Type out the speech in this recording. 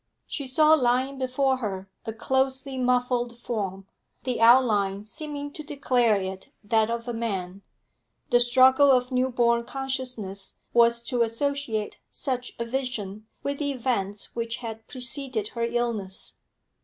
She saw lying before her a closely muffled form, the outline seeming to declare it that of a man. The struggle of new born consciousness was to associate such a vision with the events which had preceded her illness.